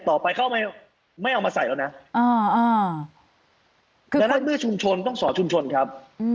ต่อไปเขาไม่เอามาใส่แล้วนะดังนั้นเมื่อชุมชนต้องสอนชุมชนครับ